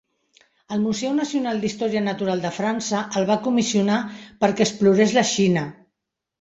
El Museu Nacional d'Història Natural de França el va comissionar perquè explorés la Xina.